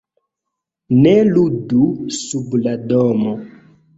"Ne ludu sub la domo!"